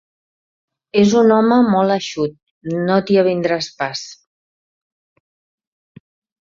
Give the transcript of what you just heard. És un home molt eixut: no t'hi avindràs pas!